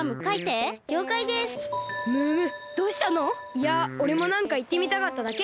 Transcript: いやおれもなんかいってみたかっただけ。